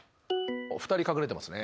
２人隠れてますね。